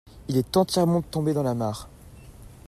Il est entièrement tombé dans la mare.